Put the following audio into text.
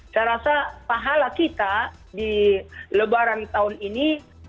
saya rasa pahala kita di lebaran tahun ini